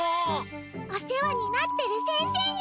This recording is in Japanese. お世話になってる先生に。